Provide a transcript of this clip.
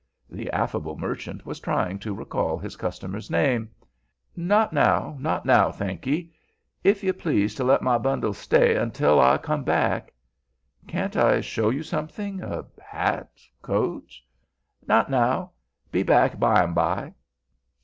The affable merchant was trying to recall his customer's name. "Not now, not now, thankee. If you please to let my bundles stay untell I come back—" "Can't I show you something? Hat, coat—" "Not now. Be back bimeby."